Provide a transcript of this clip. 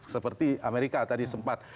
seperti amerika tadi sempat